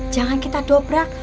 jangan kita dobrak